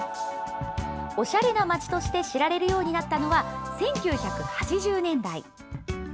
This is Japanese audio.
おしゃれな街として知られるようになったのは１９８０年代。